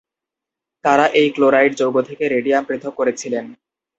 তারা এই ক্লোরাইড যৌগ থেকে রেডিয়াম পৃথক করেছিলেন।